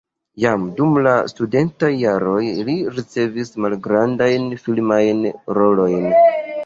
Jam dum la studentaj jaroj li ricevis malgrandajn filmajn rolojn.